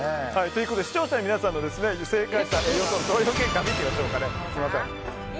視聴者の皆さんの正解予想の投票結果を見てみましょう。